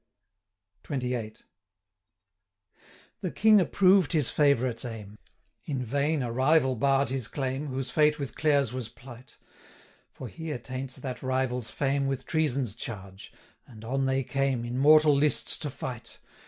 XXVIII. 'The King approved his favourite's aim; In vain a rival barr'd his claim, Whose fate with Clare's was plight, 520 For he attaints that rival's fame With treason's charge and on they came, In mortal lists to fight.